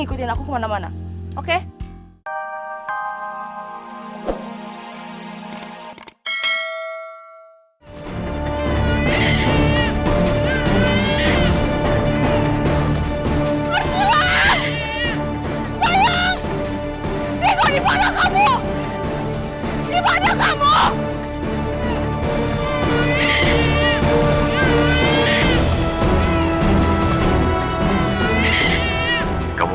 aku gak akan maafin kamu